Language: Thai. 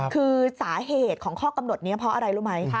คือสาเหตุของข้อกำหนดนี้เพราะอะไรรู้ไหมคะ